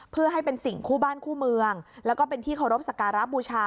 เพื่อให้เป็นสิ่งคู่บ้านคู่เมืองแล้วก็เป็นที่เคารพสักการะบูชา